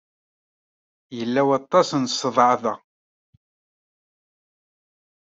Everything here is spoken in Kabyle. Yella waṭas n ṣṣdeɛ da.